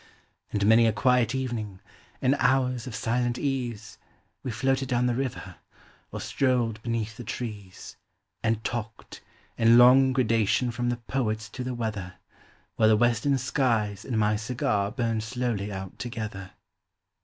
And many a quiet evening, in hours of silent ease. We floated down the river, or strolled beneath the trees, And talked, in long gradation from the poets to the weather, While the western skies and my cigar burned slowly out together.